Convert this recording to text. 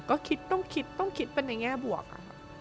ก็คิดต้องคิดต้องคิดเป็นในแง่บวก